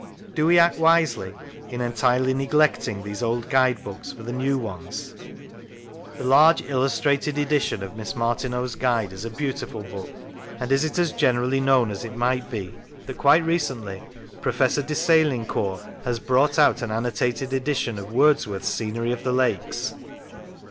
Do we act wisely in entirely neglecting Lancashire these old guide books for the new ones ? The large illustrated edition of Miss Martineau's Guide is a beautiful book; and is it as generally known as it might be that quite recently Professor de Selincourt has brought out an annotated edition of Wordsworth's " Scenery of the Lakes